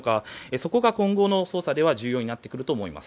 そこが今後の捜査では重要になってくると思います。